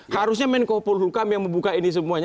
harusnya menkumpulkan hukum yang membuka ini semuanya